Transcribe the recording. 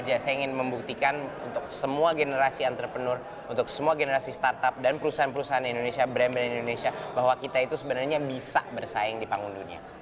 saya ingin membuktikan untuk semua generasi entrepreneur untuk semua generasi startup dan perusahaan perusahaan indonesia brand brand indonesia bahwa kita itu sebenarnya bisa bersaing di panggung dunia